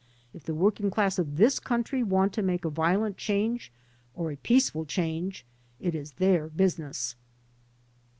If the working class of this cotmtry want to make a vioknt change or a peaceful change it is their business."